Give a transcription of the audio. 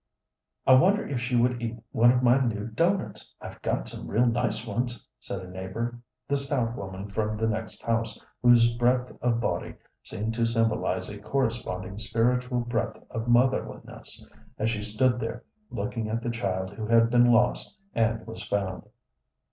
"I wonder if she would eat one of my new doughnuts. I've got some real nice ones," said a neighbor the stout woman from the next house, whose breadth of body seemed to symbolize a corresponding spiritual breadth of motherliness, as she stood there looking at the child who had been lost and was found.